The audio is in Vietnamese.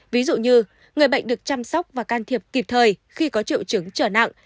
ví dụ như người bệnh được chăm sóc và can thiệp kịp thời khi có triệu chứng trở nặng